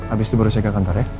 abis itu baru saya ke kantor ya